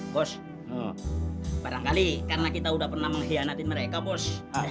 bos barangkali karena kita udah pernah mengkhianatin mereka bos